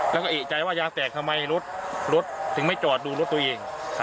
แล้วก็เอกใจว่ายางแตกทำไมรถถึงไม่จอดดูรถตัวเอง